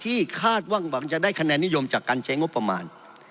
คาดว่าหวังจะได้คะแนนนิยมจากการใช้งบประมาณ